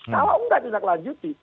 kalau tidak tindak lanjuti